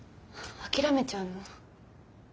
諦めちゃうの？